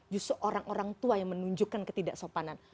justru orang orang tua yang menunjukkan ketidaksopanan